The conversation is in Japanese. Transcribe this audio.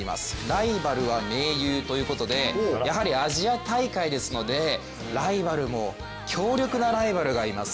ライバルは盟友ということで、やはりアジア大会ですのでライバルも強力なライバルがいます。